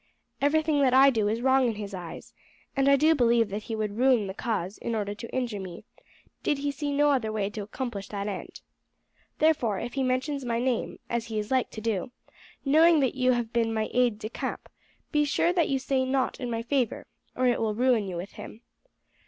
Everything that I do is wrong in his eyes, and I do believe that he would ruin the cause in order to injure me, did he see no other way to accomplish that end. Therefore, if he mentions my name, as he is like to do, knowing that you have been my aide de camp, be sure that you say nought in my favour, or it will ruin you with him.